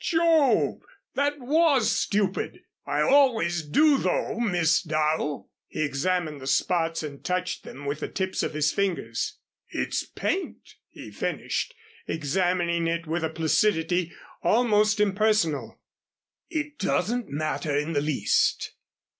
"Jove! That was stupid. I always do, though, Miss Darrow." He examined the spots and touched them with the tips of his fingers. "It's paint," he finished, examining it with a placidity almost impersonal. "It doesn't matter in the least."